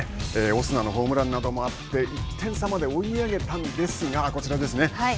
オスナのホームランなどもあって１点差まで追い上げたんですがこちらですね。